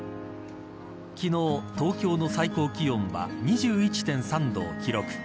昨日、東京の最高気温は２１．３度を記録。